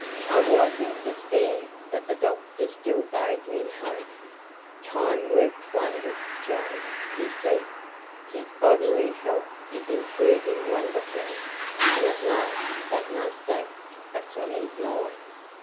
I was in despair, but the doctor still bade me hope. "Time works wonders, Joe," he said. "His bodily health is improving wonderfully, and at last that must act upon his mind."